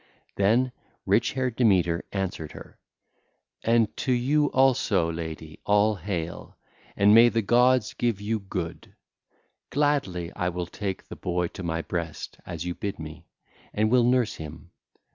(ll. 224 230) Then rich haired Demeter answered her: 'And to you, also, lady, all hail, and may the gods give you good! Gladly will I take the boy to my breast, as you bid me, and will nurse him.